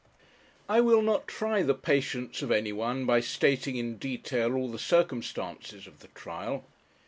I will not try the patience of anyone by stating in detail all the circumstances of the trial.